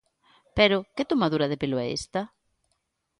Pero ¿que tomadura de pelo é esta?